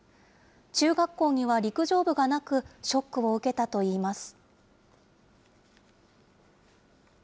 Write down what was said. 中学校には陸上部がなく、ショックを受けたといいます。